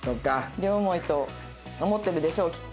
両思いと思ってるでしょうきっと。